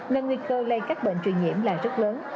nên nguy cơ lây các bệnh truyền nhiễm là rất lớn